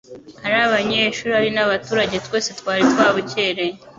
Ari abanyeshuri ari n'abaturage twese twari twabukereye.